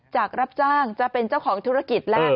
จากรับจ้างจะเป็นเจ้าของธุรกิจแล้ว